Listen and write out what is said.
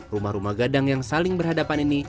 rumah rumah gadang yang saling berhadapan ini